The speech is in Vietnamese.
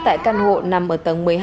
tại căn hộ nằm ở tầng một mươi hai